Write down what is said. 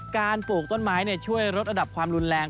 ปลูกต้นไม้ช่วยลดระดับความรุนแรง